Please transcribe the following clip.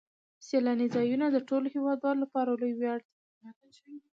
سیلاني ځایونه د ټولو هیوادوالو لپاره لوی ویاړ دی.